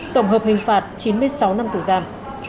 tổng hợp hình phạt chín mươi sáu năm tù giam